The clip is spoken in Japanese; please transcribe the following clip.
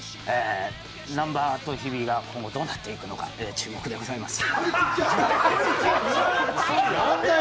南波と日比が今後、どうなっていくのか、注目でございます。